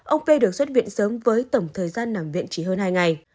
ông p được xuất viện sớm với tổng thời gian nằm viện chỉ hơn hai ngày